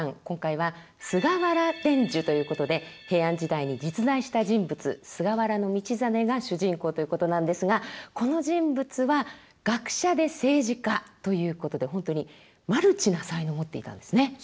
今回は「菅原伝授」ということで平安時代に実在した人物菅原道真が主人公ということなんですがこの人物は学者で政治家ということで本当にマルチな才能を持っていたんですね。